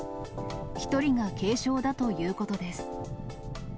１人が軽傷だということです。